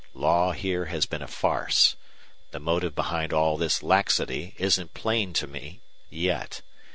Law here has been a farce. The motive behind all this laxity isn't plain to me yet.